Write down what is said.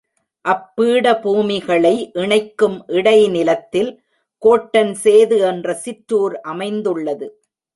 அப்பீடபூமிகளை இணைக்கும் இடைநிலத்தில் கோட்டன்சேது என்ற சிற்றூர் அமைந்துள்ளது.